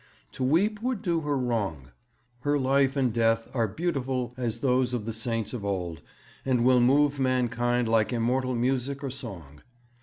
"To weep would do her wrong." Her life and death are beautiful as those of the saints of old, and will move mankind like immortal music or song.